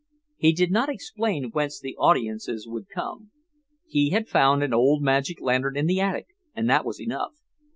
He did not explain whence the audiences would come. He had found an old magic lantern in the attic and that was enough.